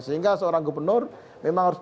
sehingga seorang gubernur memang harus